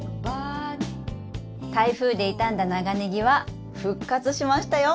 台風で傷んだ長ネギは復活しましたよ！